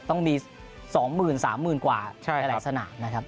ต้องมี๒๓๐๐๐กว่าหลายสนามนะครับ